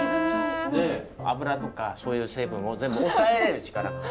脂とかそういう成分を全部抑えれる力がある。